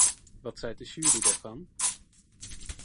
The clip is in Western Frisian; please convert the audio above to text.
Wat seit de sjuery derfan?